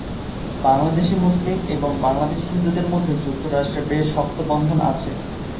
বাংলাদেশী মুসলিম এবং বাংলাদেশী হিন্দুদের মধ্যে যুক্তরাষ্ট্রে বেশ শক্ত বন্ধন আছে।